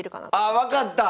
あ分かった！